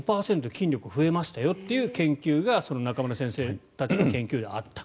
筋力が増えましたよという研究が中村先生たちの研究であった。